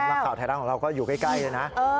นักข่าวไทยรัฐของเราก็อยู่ใกล้เลยนะ